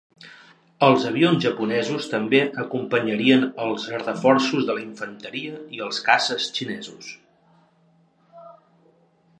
Els avions japonesos també acompanyarien els reforços de la infanteria i els caces xinesos.